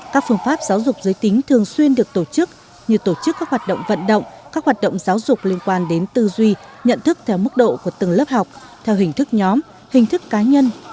các phương pháp giáo dục giới tính thường xuyên được tổ chức như tổ chức các hoạt động vận động các hoạt động giáo dục liên quan đến tư duy nhận thức theo mức độ của từng lớp học theo hình thức nhóm hình thức cá nhân